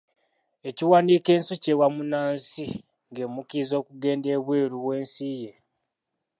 Ekiwandiiko ensi ky'ewa munnansi ng'emukkiriza okugenda ebweru w'ensi ye.